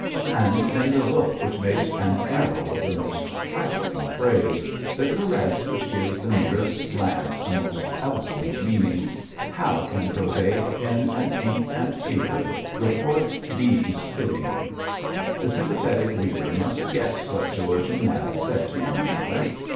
And then the look which makes an arrow of the most trifling phrase, the caress which gives the merest glance a most eloquent meaning how can prosaic pen and ink and paper report these fittingly? The sympathetic reader must guess what George and Mab said to one another.